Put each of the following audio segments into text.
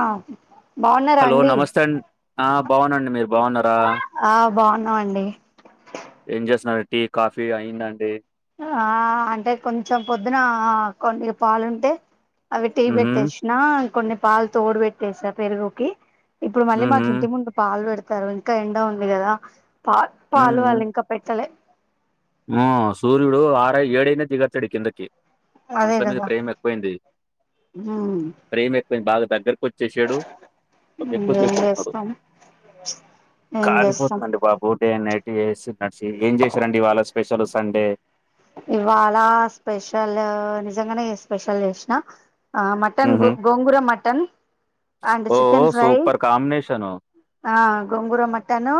ఆహ్. హలో నమస్తే అండి ఆహ్ బాగునండి మీరు బాగున్నారా. ఆహ్ అండి. ఏం చేస్తున్నారు అండి టీ కాఫీ అయిందాండి. ఆహ్ అంటే కొంచెం పొద్దున కొన్ని పాలుంటే. అవి టీ ఉహు పెట్టేసినా కొన్ని పాలు తోడు పెట్టేసా పెరుగుకి. ఇప్పుడు మళ్ళీ ఉహు మాకు ఇంటి ముందు పాలు పెడతారు ఇంకా ఎండ ఉంది కదా. పా పాలు వాళ్ళు ఇంకా పెట్టలే. ఆహ్ సూర్యుడు ఆరై ఏడైన దిగతలేడు కిందకి. అదే మనుషుల మీద కదా ప్రేమ ఎక్కువైంది ఉమ్ ప్రేమ ఎక్కువైంది బాగా. వచ్చేశాడు. ఏం ఎక్కువసేపు ఉంటున్నాడు చేస్తాం ఏం చేస్తాం కాలిపోతుందండి బాబు. డే అండ్ నైటీ వేసి [unintelligible] ఏం చేశారండి ఇవాళ స్పెషల్ సండే. ఇవాళ స్పెషల్ నిజంగానే స్పెషల్ చేసినా. ఆహ్ మటన్ ఉహు గోం గోంగూర మటన్. అండ్ ఓ చికెన్ ఫ్రై సూపర్ కాంబినేషను ఆహ్. గోంగూర మట్టన్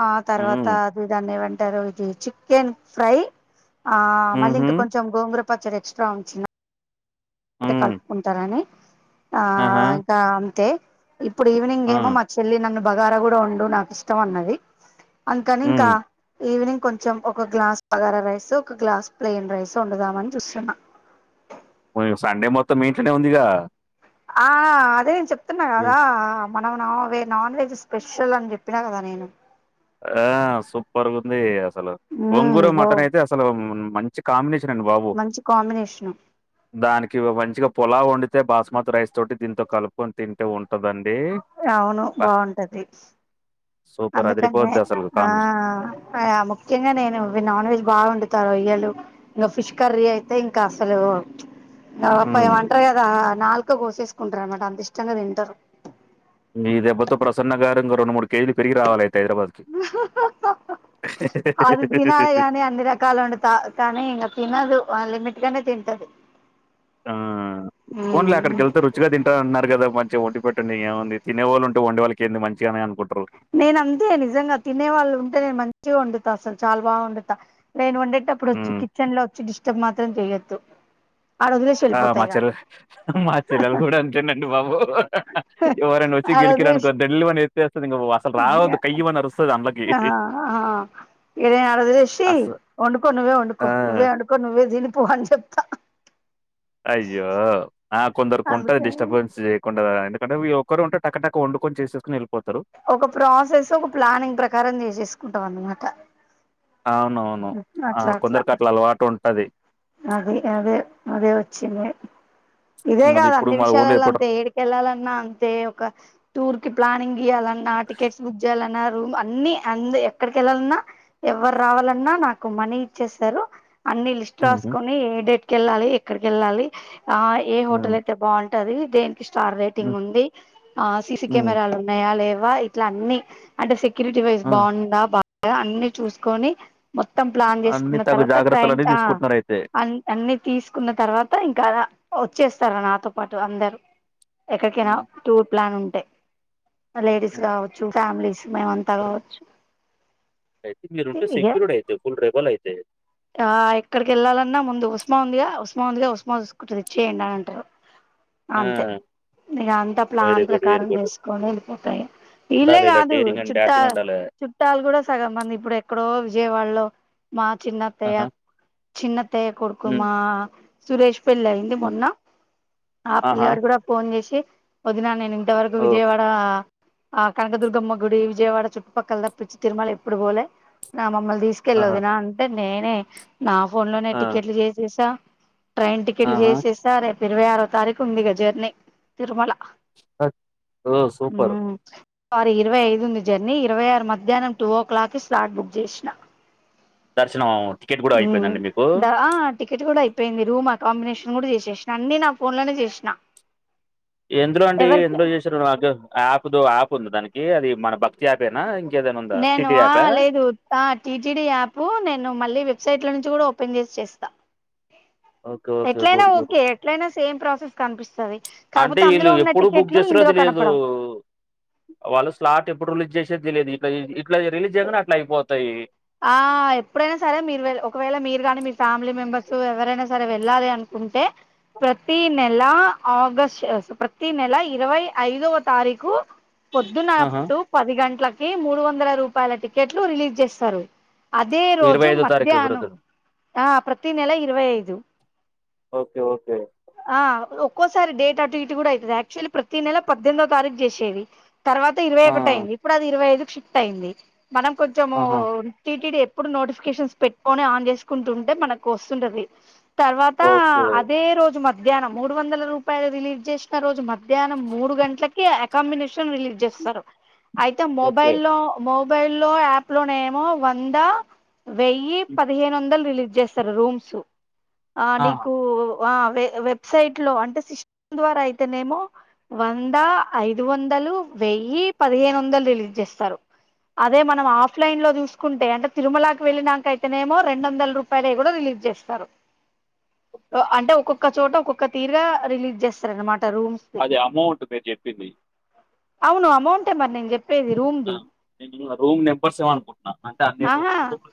ఆహ్ తర్వాత ఉమ్ అది దాన్నేమంటారు. [unintelligible] చికెన్ ఫ్రై ఆహ్ మళ్ళి ఉహు ఇంకా కొంచెం గోంగూర. పచ్చడి ఎక్స్ట్రా ఉంచిన. ఉమ్ తేకన్ అనుకుంటారని ఆహా ఆహ్ ఇంకా అంతే. ఇప్పుడు ఈవినింగ్ ఆ ఏమో మా చెల్లి నన్ను బగారా కూడా వండు నాకు ఇష్టం అన్నది. అందుకని ఇంకా ఉమ్ ఈవినింగ్. కొంచం ఒక గ్లాస్ బాగరా రైస్ ఒక గ్లాస్ ప్లెయిన్ రైస్ వండుదామని చూస్తున్నా. సండే మొత్తం మీఇంట్లానే ఉందిగా. ఆహ్ అదే నేను చెప్తున్నా కదా. మనం non veg non veg special అని చెప్పినా కదా నేను. ఆహ్ సూపర్గుంది అసలు ఉమ్ గోంగూర ఓ మటన్ అయితే అసలు మంచి కాంబినేషన్. బాబు మంచి కాంబినేషను దానికి మంచిగా పులావ్ ఉం. తడితే బాస్మతి రైస్ తోటి దీంతో కలుపుకొని తింటే ఉంటదండి అవును అబ్బా! బాగుంటది సూపర్ అందుకని అదిరిపోద్ది అసలు కాంబినేషన్. ఆ ముఖ్యంగా నేను నాన్ వెజ్ బాగా వండుతానూ రొయ్యలు ఇంకా ఫిష్ కర్రీ అయితే ఇంకా అసలు ఇంకా పా హ్మ్. ఆమంటారు కదా నల్క కోసేసుకుంటారు అన్నమాట అంత ఇష్టంగా తింటారు మీ దెబ్బతో ప్రసన్న గారు ఇంకో రెండు మూడు కేజీలు పెరిగి రావాలయితే హైదరాబాద్‌కి. [unintelligible] అది తినాలి గాని అన్ని రకాలు వండుతా కానీ అది తినదు లిమిట్ నే తింటది ఆ పోనిలే అక్కడికి వెళ్తే రుచిగా తింటాన్నారు కదా మంచిగా ఒకటి పెట్టండి ఏముంది తినేళ్ళు ఉంటేండడిళ్ళకి ఏంది మంచిగానే అనుకుంటారు నేను అంతే నిజంగా తినే వాళ్ళు ఉంటే నేను మంచిగా వండుతా అసలు చాలా బాగా వండుతా నేను వండే అప్పుడు వచ్చి హ్మ్. కిచెన్ లో వచ్చి డిస్టర్బ్ మాత్రం చెయొద్దు ఆ మా చెల్ల మా చెల్లెలు కూడా అంటేనండి బాబు ఎవరైనా వచ్చి గెల్కిర్ అనుకో ఆడోదిలేసి దిల్లివని అసలు రావద్దు కయ్యమని ఆరు ఆ ఆ ఇక్కడై అడదిలేసి అస వండుకో నువ్వే ఆ వండుకో నువ్వే వండుకో నువ్వే తినిపోవని చెప్తా అయ్యో ఆ కొందరికి ఉంటది అందుకని డిస్టర్బెన్స్ చేయకుండా ఎందుకంటే ఒక్కరు ఉంటారు టకటక వండుని చేససుకుని ఒక ప్రాసెస్ ఒక ప్లానింగ్ ప్రకారం చేసేసుకుంటాం అనమాట అవునవును ఆ కొందరికట్ల అలవాటు ఉంటది అదే అదే అదే వచ్చింది ఇదే మళ్ళీ కాదు ఇప్పుడు అన్ని మా ఓన్లీ విషయాలలో ఎప్పుడు అంతే ఏడికెళ్లాలన్నా అంతే ఒక టూర్ కి ప్లానింగ్ గియాలి టికెక్ట్స్ బుక్ చేయాలి రూమ్ అన్ని అ ఎక్కడికి వెళ్ళాలన్నా ఎవరు రావాలన్నా నాకు మనీ ఇచ్చేసారు అన్ని లిస్ట్ ఉహు రాసుకొని ఏ డేట్కి వెళ్ళాలి ఎక్కడికి వెళ్ళాలి ఆ ఏ హోటల్ ఉమ్ అయితే బాగుంటది దే స్టార్ రేటింగ్ ఉమ్ ఉంది సిసి ఉమ్ కెమెరాలు ఉన్నాయా లేవా ఇట్లా అనీ అంటే కిరీటివైస్ ఆ బాగుందా బాగా అన్ని చూసుకొని మొత్తం ప్లాన్ అన్ని చేసుకున్న తగు తర్వాత టైమ్ జాగ్రత్తలన్నీ తీసుకుంటున్నారు అయితే అ అన్ని తీసుకున్న తర్వాత ఇంకా వచ్చేస్తారా నాతో పాటు అందరు ఎక్కడికైనా టూర్ ప్లాన్ ఉంటే లేడీస్ కావచ్చు ఫ్యామిలీస్ మేమంతా కావచ్చు అయితే మీరుంటే ఇక సెక్యూర్డ్ అయితే ఫుల్ రెబల్ అయితే అక్కడికి వెళ్ళాలన్నా ముందు ఉస్మా ఉందిగా ఉస్మా ఉందిగా ఉమా చూసుకుంటుదిచ్చయంండి అని అంటారు ఆ ఇగ అంత వెరీ ప్లాన్ గుడ్ వెరీ ప్రకారం గుడ్ చేసుకొని వెళ్ళిపోతాయి వీళ్ళే ఉండాలి ఇలా కాదు డేరింగ్ అండ్ చుట్ట డాషింగ్ ఉండాలి చుట్టాలు కూడా సగం మంది ఇప్పుడు ఎక్కడో విజయవాడలో మా చిన్నత్తయ ఆహా చిన్నత్తయ కొడుకు ఉమ్, మా సురేష్ పెళ్ళ అయింది ఉమ్, మొన్న ఆ పిల్లి ఆహా గాడు కూడా ఫోన్ చేసి వదినా నేను ఇంతవరకు ఓ విజయవాడ ఆ కనకదుర్గమ్మ గుడి విజయవాడ చుట్టుపక్కల తప్పిచ్చి తిరుమల ఎప్పుడు పోలే నా మమ్మల్ తీసుకెళ్ళు ఆహా ఒదిన అంటే నేనే నా ఫోన్ లోనే ఆ, టికెట్లు చేసేసా ట్రైన్ టికెట్లు ఆహా చేసేసా రేపు ఇరవై ఆరో తారీఖు ఉందిగా జర్నీ తిరుమల ఓ సూపర్ సోరి ఇరవై ఐదుంది జర్నీ ఇరవై ఆరు మధ్యాహ్నం టూ ఓ క్లాక్కి స్లాట్ బుక్ చేసిన దర్శనం అ టికెట్ కూడా అయిపోయింది రూమ్ అకాంబినేషన్ నను కూడా చేసేసిన అన్ని నా ఫోన్ లోనే చేసిన ఎందులో అండి ఎవరికి ఎందులో చేసారు యాప్ దో యాప్ ఉంది దానికి అది మన భక్తి అప్ ఎ నా నేను ఆ లేదు ఆ టీటీడీ యాప్ నేను మళ్ళీ వెబ్సైట్ లో నుంచి ఓపెన్ చేసి చేస్తా ఓకే ఓకే ఎట్లయినా గుడ్ గుడ్ ఓకే ఎట్లయినా సేమ్ ప్రాసెస్ కనిపిస్తుంది కాకపోతే అందులో ఉన్న టికెట్లు ఇందులో లేదు కనపడవు వాళ్ళు స్లాట్ ఎప్పుడు రిలీజ్ చేసేది తెలిదు ఇట్లా రిలీజ్ అట్లా అయిపోతుంది ఆ ఎప్పుడైనా సరే మీరు ఒకవేళ మీరు ని మీ ఫ్యామిలీ మెంబర్స్ ఎవరైనారే సరే వెళ్ళాలి అనుకుంటే ప్రతీ నెల ఆగస్ట్ ప్రతి నెల ఇరవై ఐదవ తారీకుు ఆహా పొద్దున్నటు పది గంటలకి మూడు వందల రూపాయల టికెట్లు రిలీజ్ చేస్తారు అదే ఇరవై రోజు ఐదో తారీఖు మధ్యాహ్నం బ్రదర్ ఆ ప్రతి నెల ఇరవై ఐదు ఓకే ఓకే ఆ ఒక్కోసారి డేట్ అటు ఇటు కూడా అవుతుంది అక్చుఅల్లీ ప్రతి నెల పద్దెనిమి తారీఖు చేసేవి తర్వాత ఇరవై ఆ, ఒకటి అయింది ఇప్పుడు అది ఇరవై ఐదుకి షిఫ్ట్ అయింది మనం కొంచం ఆహా టీటీడీ ఇప్పుడు నోటిఫికేషన్స్ పెట్టుకొని ఆన్ చేసుకుంటుంటే మనకు వస్తుంటది తర్వాత ఓకే అదే రోజు మ మధ్యాహ్నం మూడు వందల రూపాయలు రిలీజ్ చేసిన రోజు మధ్యాహ్నం మూడు గంటలకి అకామినేషన్ రిలీజ్ చేస్త సారు అయితే ఓకే. మొబైల్లో మొబైల్లో యాప్ లోనే ఏమో వంద వెయ్యి పదిహేను వందలు రిలీజ్ చేస్తారు రూమ్స్ ఆ నీకు ఆ వెబ్సైట్ లో అంటే సిస్ ద్వారా అయితేనేమో వంద ఆ, ఆ, ఐదు వందలు వ్ వేయ్యి పదిహేను వందలు రిలీజ్ చేస్తారు అదే మనం ఆఫ్లై లో చూసుకుంటేంట తిరుమలకి వెళ్ళినాక అయితేనేమో రెండు వందల రూపాయలే కూడా రిలీ చేస్తారు ఓకే, ఓకే. అంటే ఒక్కొక్క చోట ఒక్కొక్క తీరుగా రిలీజ్ చేస్తారు అనమాట అది అమౌంట్ మీరు చెప్పింది అవును అమౌంట్ మరి చెప్పేది రూమ్ది నేను రూమ్ నెంబర్స్ ఇవ్వ అనుకుంటున్నాను అంటే అన్ని ఆహా రూమ్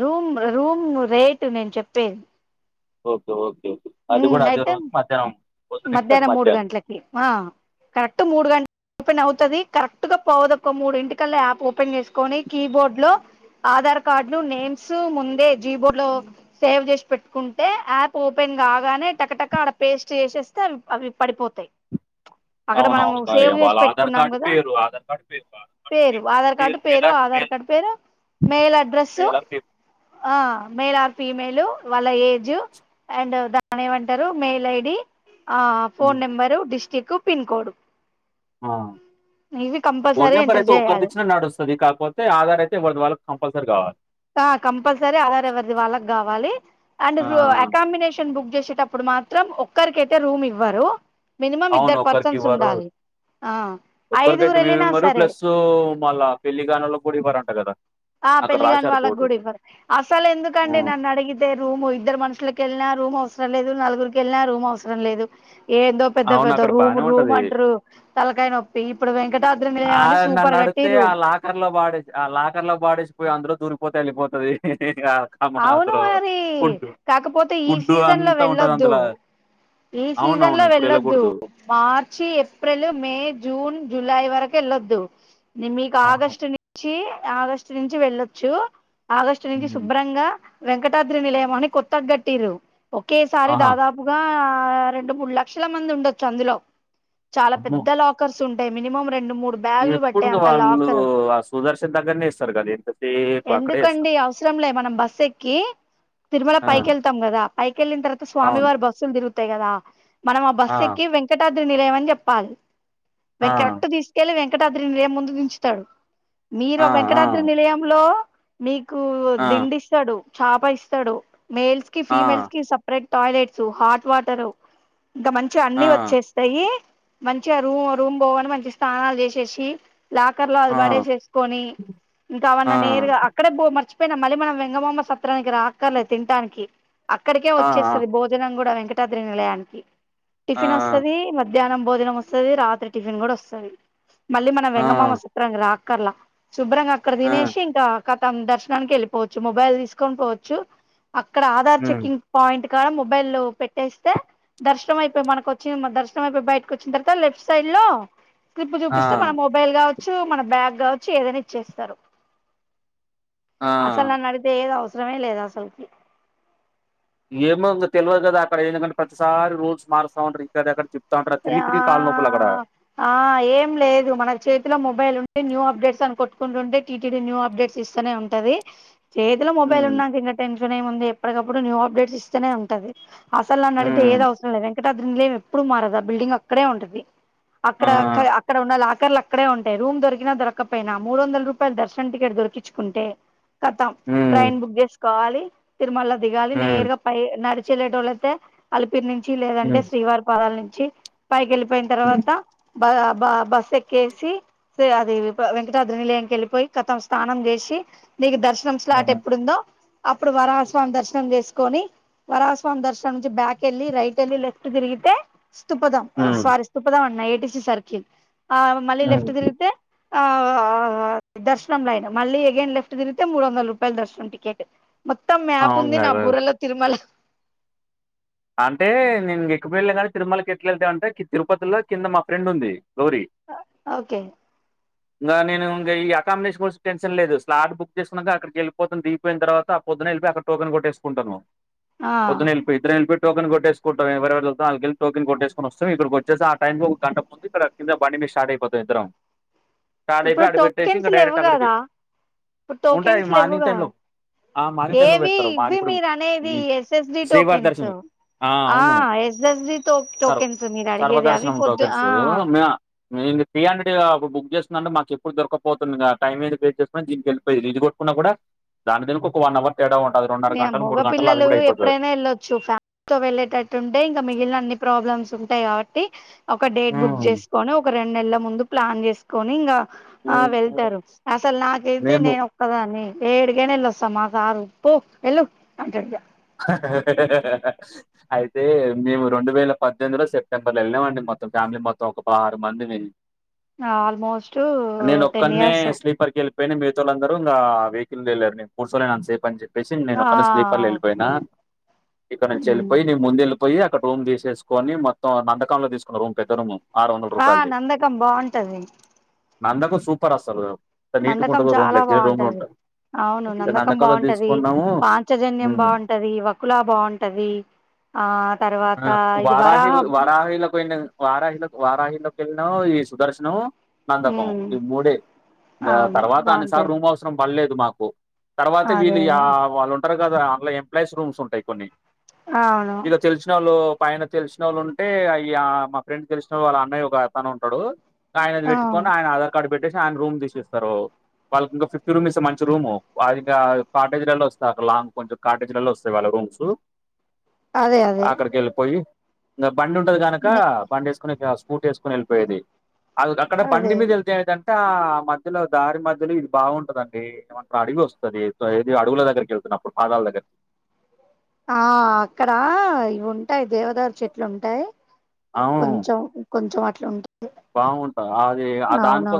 రూమ్ రూమ్ రేటు నేను చెప్పేది ఓకే ఓకే ఓకే అది ఉమ్, కూడా అది అయితే రోజు మధ్యా మధ్యాహ్నం మూడు గంటలకి కరెక్ట్ మూడు గంట ది కరెక్ట్ గా పోవదు ఒక మూడి ఇంటికల్లా యాప్ ఓపెన్ చేసుకొని కీబోర్డ్ లో ఆధార్ కార్డులు నేమ్స్ ముందే జీబో లో సేవ్ చేసి పెట్టుకుంటే యాప్ ఓ ప కాగానే టక్కటక్క అడ పేస్ట్ చేసేస్తే అవి అవి పడిపోతాయి అక్కడ మనము అవునవును బా సేవ్ చేసి వాళ్ళ ఆధార్ పెట్టుకున్నాం కార్డు కదా పేరు ఆధార్ కార్డు పేరు వా పేరు ఆధార్ కార్డు పేరు ఆధార్ కార్డు పేరు మెయిల్ అడ్రస్సు మేలార్ పేరు. ఆ మెయిల్ ఫీమేల్ వాళ్ళ ఏజ్ అండ్ దాని ఏమంటారు మెయిల్ ఐడి ఆ ఫోన్ హ్మ్. నెంబరు డిస్టిరిక్ పిన్ కోడ్ ఆ ఇవి ఫోన్ కంపల్సరీ నెంబర్ ఎంటర్ అయితే చేయాలి ఒక్కరుదిచ్చినా నడు వస్తుంది కాకపోతే ఆధార్ అయితే ఇవదు వాళ్ళకి కంపల్సరీ కావాలి కంపల్సరీ ఆధార్ ఎవరిది వాళ్ళకి కావాలి అండ్ ఆ! అకామినేషన్ బుక్ చే టప్పుడు మాత్రం ఒక్కరికయితే రూమ్ ఇవ్వరు మినిమం అవును. ఇద్దరు పర్సన్స్ ఒక్కరికివ్వరు. ఉండాలి ఆ ఐదుగురు ఒక్కరికైతే వీరు వెళ్ళినా ఇవ్వరు సరే ప్లస్ మళ్ళా పెళ్లికాన్నోళ్లకి కూడా ఇవ్వరంట కదా ఆ అక్కడ పెళ్లి కాని రాశారు వాళ్ళకి బోర్డు. కూడా ఇవ్వరు అసలు ఆ! ఎందుకండి నన్ను అడిగితే రూమ్ ఇద్దరు మనుషులకి వెళ్ళినా రూమ్ అవస్ అవసరం లేదు నలుగురికి వెళ్ళినా రూమ్ అవసరం లేదు ఏందో పెద్ద అవును పెద్ద అక్కడ రూమ్ బానే రూమ్ ఉంటది అంటరు తలకాయ నొప్పి ఇప్పుడు వెంకట ఆ నన్ను అడిగుతే ఆ లాకర్ లో బడే ఆ లాకర్ లో బడే అందరు దూరిపోతే వెళ్ళిపోతది కమ అవును అందులో మరి ఫుడ్ కాకపోతే ఈ ఫుడ్ సీజన్ లో అంతా ఉంటది వెళ్లొద్దు అందులో ఈ సీజన్ లో అవునవును ఇప్పుడు వెళ్లొద్దు వెళ్ళకూడదు మార్చి ఏప్రిల్ మే జూన్ జులై వర ఎళ్ళొద్దు నిన్ మీకు అవును ఆగస్టు నుంచి ఆగస్టు నుంచి వెళ్ళొచ్చు ఆగస్టు నుంచి ఉమ్ శుభ్రంగా వెంకటాద్రి నిలయం అని కొత్తగట్టిరు ఒకేసారి ఆహా దాదాపుగా రెండు మూడు లక్షల మంది ఉండొచ్చు అందులో చాలా అమ్మో పెద్ద లాకర్స్ ఉంటాయి మినిమం రెండు మూడు బ్యాగులు పట్టే ఎప్పుడు అంత వాళ్ళు లాకర్ ఆ సుదర్శన్ దగ్గరనే ఇస్తరు కదా ఎంతసేపు అక్కడే ఇస్తారు ఇష్టం లే మనం బస్సు ఎక్కి తిరుమల ఆ పైకెళ్తాం కదా పైకెళ్ళిన తర్వాత స్వామి అవును వారి బస్సులు తిరుగు తాయ్ కదా మనం ఆ బస్సు ఎక్కి వెంకటాద్రి నిలయమని చెప్పాలి ఆ కరెక్ట్ తీసుకెళ్ళి వెంకటాద్రి నిలయం ముందు దించుతాడు మీరు ఆ వెంకటాద్రి నిలయంలో మీకు ఆ ఆ దిండిస్తాడు చాప ఇస్తాడు మేల్స్ కి ఆ ఫీమేల్స్ కి సపరేట్ టాయిలెట్స్ హాట్ వాటరు ఇంక మంచి అన్ని ఆ వచ్చేస్తాయి మంచిగా ఆ రూమ్ రూమ్ పోగానే మంచిగా స్నానాలు చేసేసి లాకర్ లో అది ఆ పడేసేసుకొని ఇంకా ఆ అవన్నా నేరుగా అక్కడే పో మర్చి పోయిన మళ్ళీ మనం వెంగమామ్మ సత్రానికి రాకర్లేదు తిన్టానికి అక్కడికే ఆ వచ్చేస్తుంది భోజనం కూడా వెంకటాద్రి నిలయానికి ఆ టిఫిన్ వస్తది మద్ మధ్యానం భోజనం వస్తది రాత్రి టిఫిన్ కూడా వస్తది మళ్ళీ మన ఆ వెంగమామ సత్రానికి రాక్కర్లా శుభ్రంగా అక్కడ ఆ తినేసి ఇంకా కతం దర్శనానికి వెళ్ళిపోవచ్చు మొబైల్ తీసుకొని పోవచ్చు అక్కడ ఆధార్ ఉమ్ చెక్కింగ్ పాయింట్ కాల మొబైల్ పెట్టేస్తే దర్శనం అయిపోయి మన కొచ్చిన దర్శనం అయిపోయి బయటకు వచ్చిన తర్వా లెఫ్ట్ సైడ్ లో స్లిప్ చూపిస్తే ఆ మన మొబైల్ కావచ్చు మన బ్యాగ్ కావచ్చు ఏదైనా ఇచ్చేస్తారు ఆ అసలు నన్ను అడితే ఏదో అవసరమే లేదు అసల్కి ఏమో ఇంకా తెల్వదు కదా అక్కడ ఎందుకంటే ప్రతిసారి రూల్స్ మారుస్తా ఉంటారు ఇంక అక్కడ చె ఆ ఆ ఏం లేదు మన చేతిలో మొబైల్ ఉంటే న్యూ అప్డేట్స్ అనుకోటు ఉంటే టీటీడి న్యూ అప్డేట్స్ ఇస్తనే ఉంటది చేతిలో మొబైల్ హ్మ్ ఉన్నా ఇంక టెన్ టెన్షన్ ఏముంది ఎప్పటికప్పుడు న్యూ అప్డేట్స్ ఇస్తూనే ఉంటది అసలు నన్ను అడితే ఏది హ్మ్ అవసరం లేదు వెంకటాద్రి నిలయం ఎప్పుడు మారదు ఆ బిల్డింగ్ అక్కడే ఉంటది ఆ అక్కడ అక్కడ అక్కడ ఉన్న లా లాకర్లు అక్కడే ఉంటాయి రూమ్ దొరికినా దొరకపోయినా మూడు వందల రూపాయల దర్శన్ టికెట్ దొరికించుకుంటే కతం హ్మ్ ట్రైన్ బుక్ చేసుకోవాలి తిరుమలో దిగాలి హ్మ్ నేరుగా పై నడి నడిచెల్లేటోలైతే అలిపిరి నుంచి లేదంటే హ్మ్ శ్రీవారి పాదాల నుంచి పైకి వెళ్ళిపోయిన హ్మ్ తర్వాత బ బ బస్సు ఎక్కేసి సి అది వెంకటాద్రి నిలయం కెళ్ళిపోయి కతం స్నానం చేసి నీకు దర్శనం ఆ! స్లాట్ ఎప్పుడుందో అప్పుడు వరాహస్వామి దర్శనం చేసుకొని వరాహస్వామి దర్శనం నుంచి బ్యాక్ ఎళ్ళి రైట్ ఎళ్ళి లెఫ్ట్ తిగిరితే స్థూపథం హ్మ్ సారీ స్థూపథం అన్నా ఏటిసి సర్కిల్ ఆ మళ్ళీ హ్మ్ లెఫ్ట్ తిరిగితే ఆ ఆ ఆ దర్శనం లైన్ మళ్ళీ అగైన్ లెఫ్ట్ తిగితే మూడు వందల రూపాయల దర్శనం టికెట్ మొత్తం మ్యాప్ అవును ఉంది నా కదా బూరలో తిరుమల అంటే నేను ఎక్కుపో వెళ్ళ గానీ తిరుమలకి ఎట్లా వెళ్తామ అంటే తిరుపతిలో కింద మా ఫ్రెండ్ ఉంది ఓకే ఇం నేను ఇంకా ఈ అకామిడేషన్ కోస టెన్షన్ లేదు స్లాట్ బుక్ చేసుకున్నాక అక్కడికి వెళ్ళిపోతుంది తీగిపోయిన తర్వాత పొద్దునా వెళ్లిపోయి అక్కడ టోకన్ కొట్టేకుంటా్ ఆ పొద్దునా వెళ్ళిపోయి ట్రై టోకన్ కొట్టేకుంటాం ఎవెవరు ఆల్కలే కొట్టేసుకుని వస్తం ఇక్కడి వచ్చే టైం ఒక గంట ముంది ఇక్కడ కింద బ స్టార్ట్ అయిపోతాం ఇత్తరం స్టార్ట్ అయిపోయి ఇప్పుడు అడి పెట్టేసి టోకెన్స్ ఇంకా లేవు డైరెక్ట్ అక్కడికి కదా ఇప్పుడు ఉంటాయి టోకెన్స్ మార్నింగ్ లేవుగా టైమ్ లో ఆ మాది టై లో ఏవి పెడతారు మాది ఇవి ఇప్పుడు మీరు అనేది ఎస్ఎస్డి శ్రీవారి టోకెన్స్ దర్శనం ఆ అవును ఎస్ఎస్డి టో సర్వ టోకెన్స్ మీరు అడిగేది అవి సర్వదర్శనం పొద్దు ఆ టోకెన్సు మ నేను త్రీ హండ్రెడ్ బుక్ చేస్తుందింే మాకు ఎప్పుడు దొరకపోతుంది టైం ఏది పే చేస్తుందిని దీనికి వెళ్ళిపోయింది ఇది కూడా కూడా దాని దీనికి ఒక వన్ అవర్ తేడా ఉంటంది మగ పిల్లలు ఎప్పుడైనా వెళ్ళొచ్చు ఫ ఫ్యామిలీ తో వెళ్ళేటట్టుంటే ఇంకా మిగిలిన అన్ని ప్రాబ్లమ్స్ ఉంటాయి కాబట్టి ఒక డేట్ బుక్ చేసుకొని ఒక రెండు నెలల ముందు ప్లాన్ చేసుకొని ఇంకా ఆ వెళ్తారు అసలు నాకైతే మేము నేను ఒక్కదానే ఏడుకైనా వస్తాం మా సారు పో ఎళ్ళు అంటడు అయితే మేము రెండు వేల పద్దెనిమిదిలో సెప్టెంబర్ వెళ్ళామండి మొత్తం ఫ్యామిలీ మొత్తం ఒక బ మందిని ఆల్మోస్ట్ నేను టెన్ ఒక్కనే ఇయర్స్ స్లీపర్కి వెళ్ళి మిగతాలో అందరు ఇంకా వెహికల్ళరు నేను కూర్చోలే నన్న సేఫ అని చెప్పే ఆ నేనొక్కన్నే స్లీపర్లో ఓకే ఇక నుంచి వెళ్ళిపోయి నీ ముందు వెళ్ళిపోయి అక్కడ రూమ్ తీసేసుకొని మొత్తం నందకంలో తీసుకున్న రూమ్ పెద్ద రూమ్ ఆ నందకం బాగుంటది నందకం సూపర్ అసలు ఎంత నందకం నీట్‌గుంటదో రూమ్ చాలా లగ్జరీ రూమ్‌లో బాగుంటది ఉంటాం. అవును నందకం నందకంలో బాగుంటది తీసుకున్నాము పాంచజన్ పుణం హ్మ్. బాగుంటది వకులా బాగుంటది ఆ తర్వాత ఆ ఇది వరాహ వారాహిల వారాహిలకి వెళ్ళినా ఈ సుదర్శనం నందకం ఉమ్ ఈ మూడే ఇంకా అవును తర్వాత అన్నిసార్ బాగుంటాయి రూమ్ అవసరం పడలేదు మాకు తర్వాత అదే వీళ్ళు అదే వాళ్ళు ఉంటారు కదా అందులో ఎంప్లాయీస్ రూమ్స్ ఉంటాయి కొన్ని అవును ఇక తెలిసిన వాళ్ళు పైన తెలిసిన వాళ్ళు ఉంటే అ మా ఫ్రెండ్ తెలిసిన వా వాళ్ళ అన్నయ్య ఒకతనే ఉన్నాడు ఆయనది ఆ పెట్టుకొని ఆయన ఆధార్ కార్డు పెట్టేసి ఆయన రూమ్ తీసిస్తారు వాళ్ళకి ఇంకా ఫిఫ్టీ రూమ్ ఇస్తే మంచి రూము అది ఇంకా కాటేజ్లలో వస్తా లాంగ్ కొంచెం కాటేజీలలో వస్తాయి వాళ్ళ రూమ్స్ అదే అదే అక్కడికి వెళ్ళిపోయి బండి ఉంటది కనుక నే బండిసుకుని స్కూట్ వేసుకుని వెళ్ళిపోయేది అ అక్కడ బండి అదే మీద వెళ్తే అంటే ఆ మధ్యలో దారి మధ్యలో ఇది బాగుంటదండి ఏమంట అడివి వస్తుది ఏది అడుగుల దగ్గరికి వెళ్తున్నప్పుడు పాదాల దగ్గరికి ఆ అక్కడ ఇ ఉంటాయిది దేవదారు చెట్లు ఉంటాయి కొంచెం కొంచెం అట్లు ఉంటాయి బాగుంటాంది అది ఆ దానికోసం అవునవును